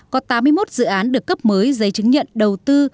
có tám mươi một dự án được cấp mới giấy chứng nhận đầu tư